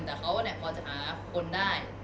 แต่เขาเนี่ยก็จะหาคนได้